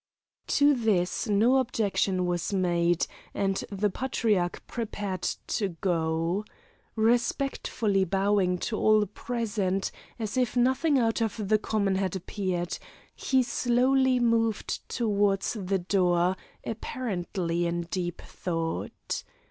To this no objection was made, and the Patriarch prepared to go. Respectfully bowing to all present, as if nothing out of the common had happened, he slowly moved toward the door apparently in deep thought.